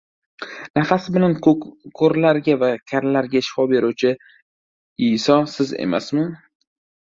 -Nafasi bilan ko‘rlarga va karlarga shifo beruvchi Iyso Siz emasmi?